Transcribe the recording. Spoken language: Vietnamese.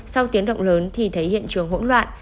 sau tiếng động lớn thì thấy hiện trường hỗn loạn